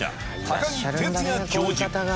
高木徹也教授